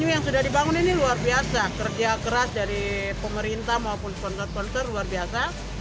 yang sudah dibangun ini luar biasa kerja keras dari pemerintah maupun sponsor sponter luar biasa